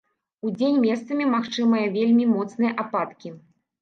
Удзень месцамі магчымыя вельмі моцныя ападкі.